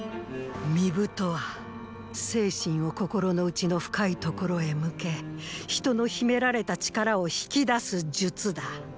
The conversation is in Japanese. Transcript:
巫舞とは精神を心の内の深い所へ向け人の秘められた力を引き出す術だ。